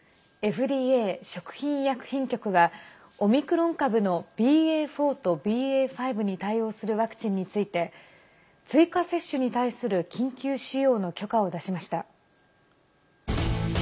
ＦＤＡ＝食品医薬品局はオミクロン株のＢＡ．４とＢＡ．５に対応するワクチンについて追加接種に対する緊急使用の許可を出しました。